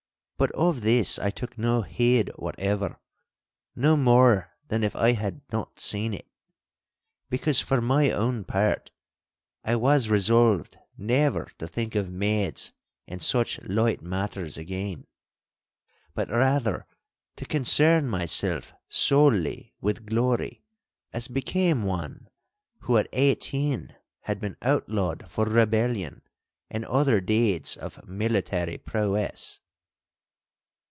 But of this I took no heed whatever, no more than if I had not seen it. Because, for my own part, I was resolved never to think of maids and such light matters again, but rather to concern myself solely with glory, as became one who at eighteen had been outlawed for rebellion and other deeds of military prowess.